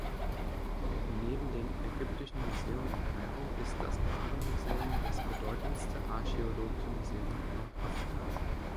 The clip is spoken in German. Neben dem Ägyptischen Museum in Kairo ist das Bardo-Museum das bedeutendste archäologische Museum Nordafrikas.